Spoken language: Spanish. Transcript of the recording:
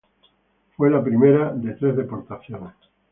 Fue la primera de tres deportaciones.